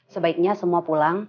sebaiknya semua pulang